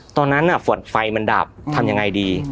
ตอนนั้นฝนไฟมันดับทำยังไงดี